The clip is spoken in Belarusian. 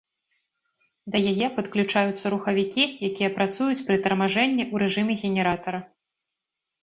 Да яе падключаюцца рухавікі, якія працуюць пры тармажэнні ў рэжыме генератара.